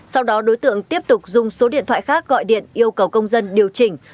sau đó đối tượng tiếp tục dùng số điện thoại khác gọi điện yêu cầu công dân điều chỉnh